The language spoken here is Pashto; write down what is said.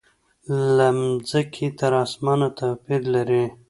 له مځکې تر اسمانه توپیر لري.